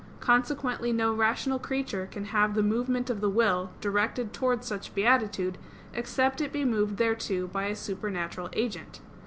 Consequently no rational creature can have the movement of the will directed towards such beatitude, except it be moved thereto by a supernatural agent.